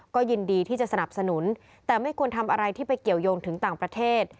ก็ยินดีที่จะสนับสนุนแต่ไม่ควรทำอะไรที่ไปเกี่ยวยงถึงต่างประเทศ